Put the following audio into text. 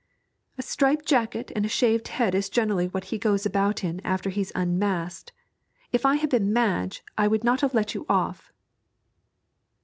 'A striped jacket and shaved head is generally what he goes about in after he's unmasked. If I had been Madge I would not have let you off.'